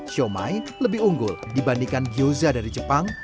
siomay lebih unggul dibandingkan gyoza dari jepang